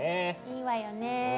いいわよね。